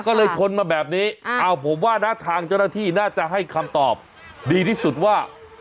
ก็เลยชนมาแบบนี้ผมว่านะทางเจ้าหน้าที่น่าจะให้คำตอบดีที่สุดว่า